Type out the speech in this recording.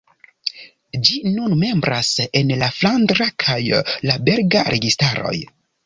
Ĝi nun membras en la flandra kaj la belga registaroj.